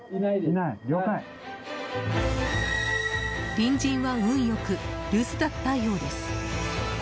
隣人は運良く留守だったようです。